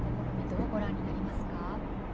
どうご覧になりますか。